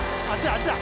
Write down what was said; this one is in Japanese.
あっちだ